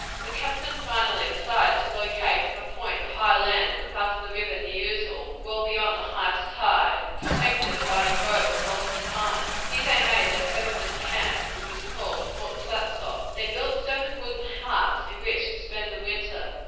The captain finally decided to locate on a point of high land above the river Neutel, well beyond the highest tide, and protected by a grove of lofty pines. Here they made their permanent camp, which was called Fort Clatsop. They built seven wooden huts in which to spend the winter.